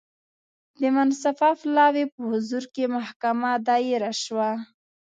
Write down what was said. د منصفه پلاوي په حضور کې محکمه دایره شوه.